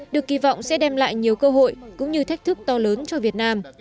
được kỳ vọng sẽ đem lại nhiều cơ hội cũng như thách thức to lớn cho việt nam